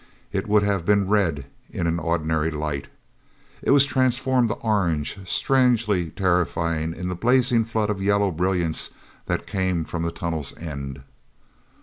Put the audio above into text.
It would have been red in an ordinary light. It was transformed to orange, strangely terrifying in the blazing flood of yellow brilliance that came from the tunnel's end.